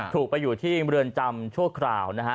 ถูกไปอยู่ที่เมืองจำชั่วคราวนะฮะ